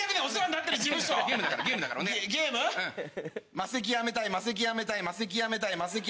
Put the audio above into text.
マセキ辞めたいマセキ辞めたいマセキ辞めたい。